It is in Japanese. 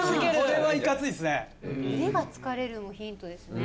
「腕が疲れる」もヒントですね。